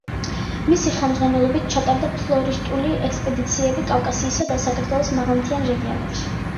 მისი ხელმძღვანელობით ჩატარდა ფლორისტული ექსპედიციები კავკასიისა და საქართველოს მაღალმთიან რეგიონებში.